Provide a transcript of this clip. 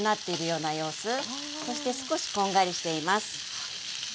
そして少しこんがりしています。